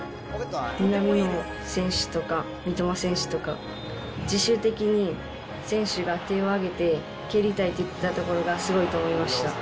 南野選手とか三笘選手とか、自主的に選手が手を挙げて蹴りたいって言ったところがすごいと思いました。